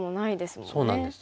そうなんです。